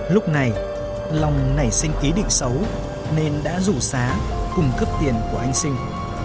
lúc này lòng nảy sinh ký định xấu nên đã rủ xá cung cấp tiền của anh sinh